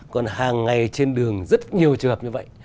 còn hàng ngày trên đường rất nhiều trường hợp như vậy